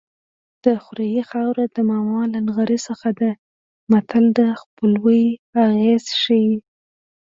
د خوریي خاوره د ماما له نغري څخه ده متل د خپلوۍ اغېز ښيي